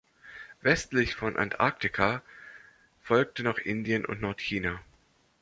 Westlich von Antarctica folgte noch Indien und Nordchina.